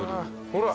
ほら。